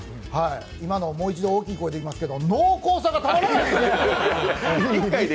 今のをもう一度大きい声で言いますけど濃厚さがたまらないですね！